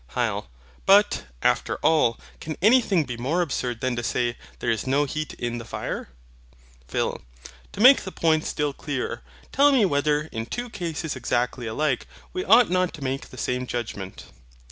HYL. But, after all, can anything be more absurd than to say, THERE IS NO HEAT IN THE FIRE? PHIL. To make the point still clearer; tell me whether, in two cases exactly alike, we ought not to make the same judgment?